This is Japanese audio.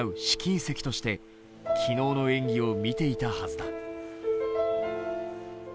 試金石として昨日の演技を見ていたはずだ。